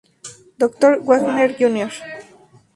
Dr. Wagner Jr.